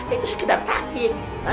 itu sekedar taktik